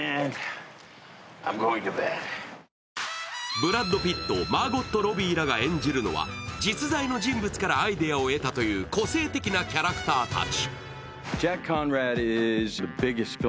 ブラッド・ピット、マーゴット・ロビーらが演じるのは実在の人物からアイデアを得たという個性的なキャラクターたち。